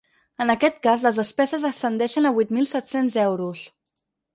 En aquest cas, les despeses ascendeixen a vuit mil set-cents euros.